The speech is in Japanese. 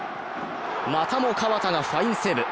またも河田がファインセーブ。